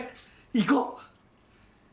行こう！